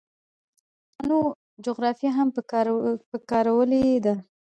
چې پکښې د پښتنو جغرافيه هم پکارولے شوې ده.